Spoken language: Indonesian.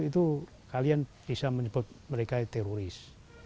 itu kalian bisa menyebut mereka teroris